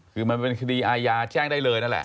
คือมันเป็นคดีอาญาแจ้งได้เลยนั่นแหละ